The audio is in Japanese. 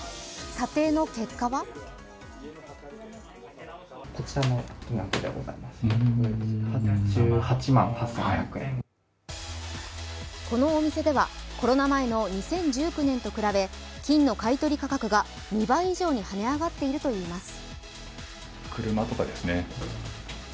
査定の結果はこのお店では、コロナ前の２０１９年と比べ金の買い取り価格が２倍以上に跳ね上がっているといいます。